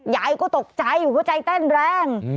ยายก็ตกใจหัวใจเต้นแรง